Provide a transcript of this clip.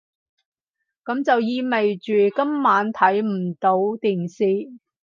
噉就意味住今晚睇唔到電視